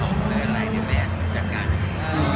หมอเทคไลนค์ก็แบนจากกาลนี้